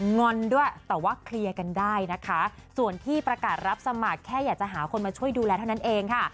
อนด้วยแต่ว่าเคลียร์กันได้นะคะส่วนที่ประกาศรับสมัครแค่อยากจะหาคนมาช่วยดูแลเท่านั้นเองค่ะ